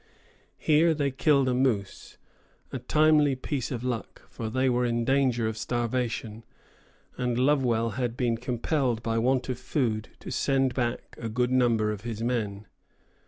Here they killed a moose, a timely piece of luck, for they were in danger of starvation, and Lovewell had been compelled by want of food to send back a good number of his men.